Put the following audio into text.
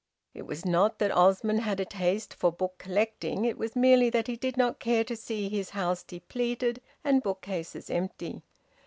It was not that Osmond had a taste for book collecting: it was merely that he did not care to see his house depleted and bookcases empty.